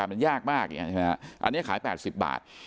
อาจจะออกซ้ำก็ได้แต่โอกาสมันยากมากอันนี้ขาย๘๐บาท